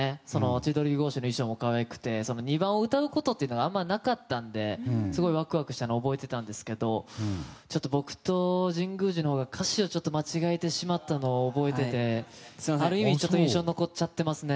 千鳥格子の衣装も可愛くて２番を歌うことってあんまりなかったのですごいワクワクしたのを覚えていたんですけど僕と神宮寺のほうが歌詞を間違えてしまったのを覚えていてある意味、印象に残っちゃってますね。